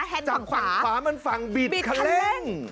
แฮนด์ฝั่งขวาจับฝั่งขวามันฝั่งบิดคะเล่งบิดคะเล่ง